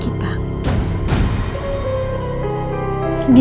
dia yang membunuh rendra temannya sendiri